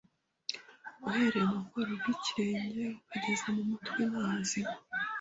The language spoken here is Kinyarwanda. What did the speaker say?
uhereye mu bworo by’ikirenge ukageza mu mutwe nta hazima